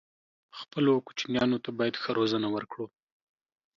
خپلو کوچنيانو ته بايد ښه روزنه ورکړو